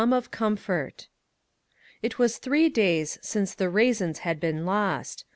CHAPTER VI IT was three days since the raisins had been lost.